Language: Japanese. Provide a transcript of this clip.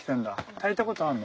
炊いたことあんの？